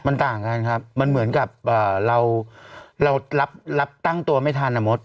มันต่างกันครับมันเหมือนกับเราเรารับตั้งตัวไม่ทันนะมด